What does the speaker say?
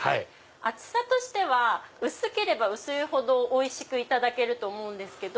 厚さとしては薄ければ薄いほどおいしくいただけると思うんですけど。